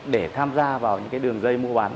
để tham gia vào những đường dây mua bán